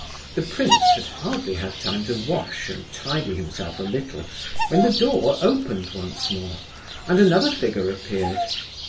The prince had hardly had time to wash and tidy himself a little when the door opened once more, and another figure appeared.